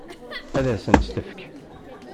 Ad sen-tt-tefk?